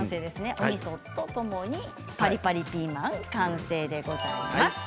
おみそとともにパリパリピーマン完成でございます。